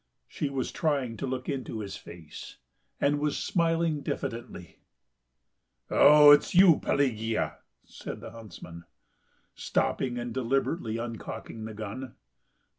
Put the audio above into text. She was trying to look into his face, and was smiling diffidently. "Oh, it is you, Pelagea!" said the huntsman, stopping and deliberately uncocking the gun.